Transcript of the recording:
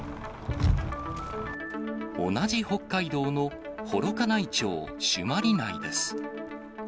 同じ北海道の幌加内町朱鞠内です。